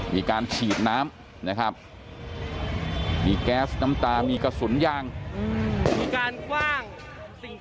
มีการฉีดน้ำนะครับมีแก๊สน้ำตามีกระสุนยางมีการกว้าง